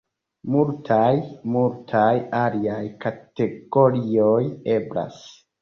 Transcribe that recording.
Multaj, multaj aliaj kategorioj eblas.